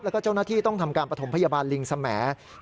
แล้วก็เจ้าหน้าที่ต้องทำการประถมพยาบาลลิงสมแห